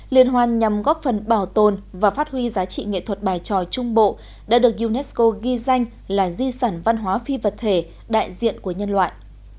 liên hoan nhằm góp phần bảo tồn và phát huy giá trị nghệ thuật bài tròi trung bộ đã được unesco ghi danh là di sản văn hóa phi vật thể đại diện của nhân loại